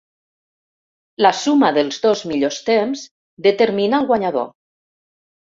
La suma dels dos millors temps determina al guanyador.